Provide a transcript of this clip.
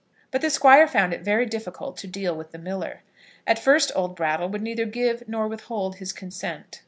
But the Squire found it very difficult to deal with the miller. At first old Brattle would neither give nor withhold his consent.